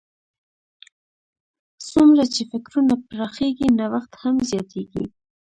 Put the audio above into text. څومره چې فکرونه پراخېږي، نوښت هم زیاتیږي.